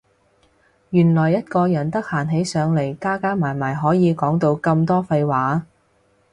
原來一個人得閒起上嚟加加埋埋可以講到咁多廢話